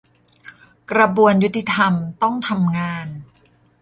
กระบวนยุติธรรมต้องทำงาน